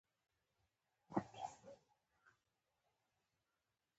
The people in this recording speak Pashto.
د مبارزې رهبري د خانانو او پاچاهانو په لاس کې وه.